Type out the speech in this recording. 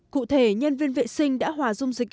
cụ thể nhân viên vệ sinh đã hòa dung dịch